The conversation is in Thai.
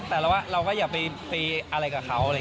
แต่เราก็อย่าไปอะไรกับเขา